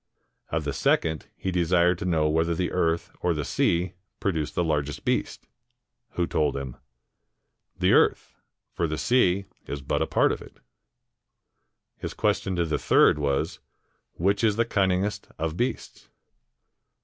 Of the second, he desired to know whether the earth or the sea produced the largest beast; who told him, " The earth, for the sea is but a part of it." His question to the third was, "Which is the cunning est of beasts?